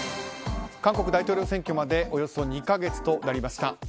韓国大統領選挙までおよそ２か月となりました。